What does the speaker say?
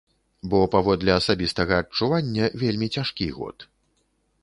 Бо, паводле асабістага адчування, вельмі цяжкі год.